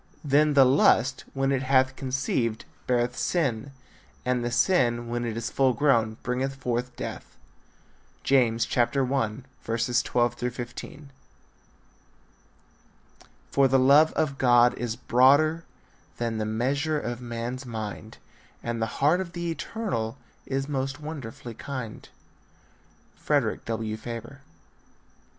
Then the lust, when it hath conceived, beareth sin: and the sin, when it is full grown, bringeth forth death. James 1:12 15. For the love of God is broader Than the measure of man's mind, And the heart of the eternal Is most wonderfully kind. Frederick W. Faber.